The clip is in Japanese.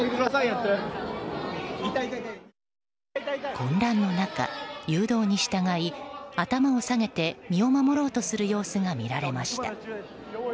混乱の中、誘導に従い頭を下げて身を守ろうとする様子が見られました。